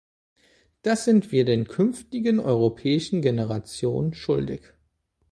Das sind wir den künftigen europäischen Generationen schuldig.